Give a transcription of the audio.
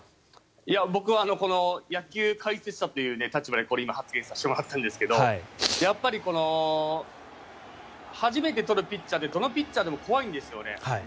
僕は野球解説者という立場でこれ今発言させてもらったんですがやっぱり初めてとるピッチャーってどのピッチャーでも怖いんですよね。